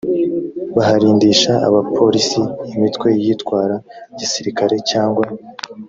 baharindisha abaporisi imitwe yitwara gisirikare cyangwa